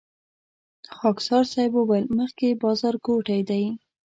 خاکسار صیب وويل مخکې بازارګوټی دی.